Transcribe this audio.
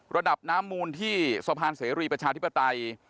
ระดับน้ำมูลที่สะพานเสรีประชาธิปไตย